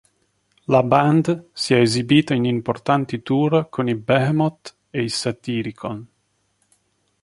La band si è esibita in importanti tour con i Behemoth e i Satyricon.